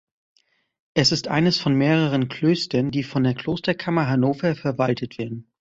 Es ist eines von mehreren Klöstern, die von der Klosterkammer Hannover verwaltet werden.